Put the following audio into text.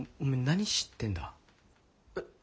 何知ってんだ？え？